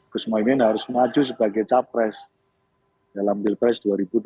gus mohaimin harus maju sebagai capres dalam pilpres dua ribu dua puluh